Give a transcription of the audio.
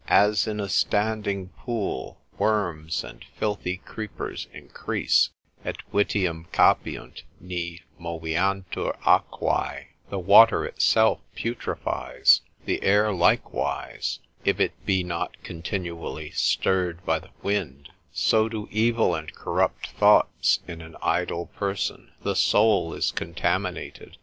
As in a standing pool, worms and filthy creepers increase, (et vitium capiunt ni moveantur aquae, the water itself putrefies, and air likewise, if it be not continually stirred by the wind) so do evil and corrupt thoughts in an idle person, the soul is contaminated.